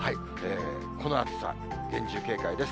この暑さ、厳重警戒です。